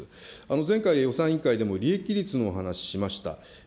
前回、予算委員会でも利益率の話しました。